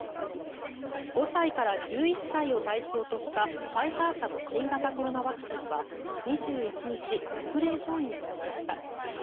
５歳から１１歳を対象としたファイザー社の新型コロナワクチンは２１日、特例承認されました。